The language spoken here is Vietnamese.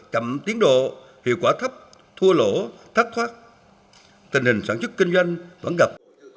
chậm tiến độ hiệu quả thấp thua lỗ thắt thoát tình hình sản chức kinh doanh vẫn gặp